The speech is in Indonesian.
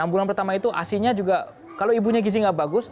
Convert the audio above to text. enam bulan pertama itu asinya juga kalau ibunya gizi nggak bagus